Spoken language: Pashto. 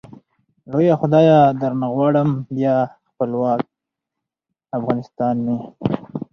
لويه خدايه درنه غواړم ، بيا خپلوک افغانستان مي